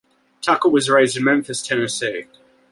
Tucker was raised in Memphis, Tennessee.